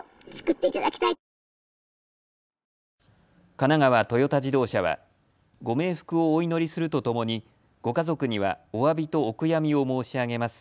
神奈川トヨタ自動車はご冥福をお祈りするとともにご家族にはおわびとお悔やみを申し上げます。